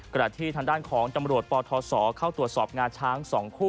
ขณะที่ทางด้านของตำรวจปทศเข้าตรวจสอบงาช้าง๒คู่